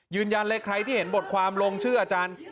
ยืนยันเลยใครที่เห็นบทความลงชื่ออาจารย์